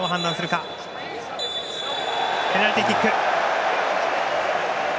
ペナルティーキックです。